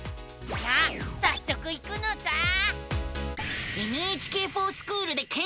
さあさっそく行くのさあ。